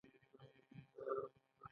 د هلمند په ګرمسیر کې د یورانیم نښې شته.